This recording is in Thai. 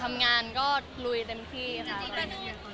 ร่วมงานฝีมือมันหรือห้อยหูลุยแกนิจขี้